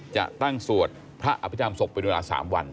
จะตั้งสวดพระอภิษฐรรศพเป็นเวลา๓วัน